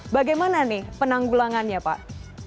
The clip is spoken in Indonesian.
bagaimana nih penanggulangannya pak